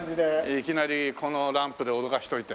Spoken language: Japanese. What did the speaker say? いきなりこのランプで驚かしといて。